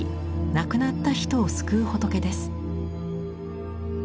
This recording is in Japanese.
亡くなった人を救う仏です。